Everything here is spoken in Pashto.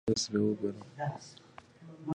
بسیطي کلیمې هغه دي، چي له یوه جز څخه زیات اجزا نه لري.